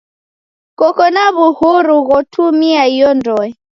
Koko na w'uhuru ghotumia iyo ndoe.